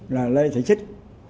là lê thị xích